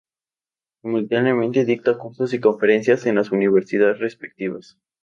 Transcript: Simultáneamente dicta cursos y conferencias en las Universidades respectivas.